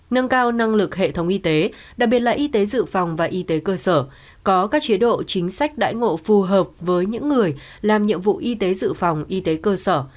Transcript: nâng cao năng lực hệ thống y tế đặc biệt là y tế dự phòng và y tế cơ sở có các chế độ chính sách đãi ngộ phù hợp với những người làm nhiệm vụ y tế dự phòng y tế cơ sở